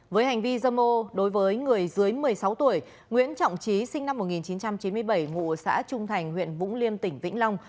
với hành vi dâm ô đối với người dưới một mươi sáu tuổi nguyễn trọng trí sinh năm một nghìn chín trăm chín mươi bảy ngụ xã trung thành huyện vũng liêm tỉnh vĩnh long